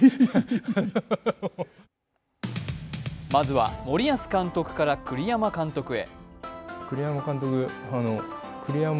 まずは森保監督から栗山監督へ。